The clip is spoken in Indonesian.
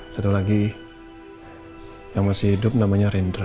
satu lagi yang masih hidup namanya rendra